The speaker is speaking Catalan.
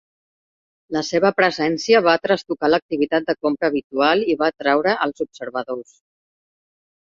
La seva presència va trastocar l'activitat de compra habitual i va atraure els observadors.